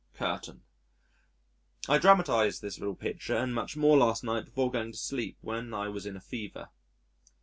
(Curtain.) I dramatised this little picture and much more last night before going to sleep when I was in a fever.